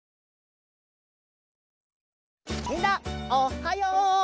みんなおっはよう！